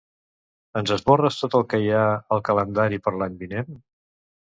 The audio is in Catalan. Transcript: Ens esborres tot el que hi ha al calendari per l'any vinent?